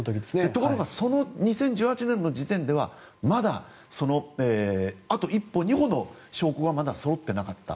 ところがその２０１８年の時点ではまだあと一歩、二歩の証拠がまだそろっていなかった。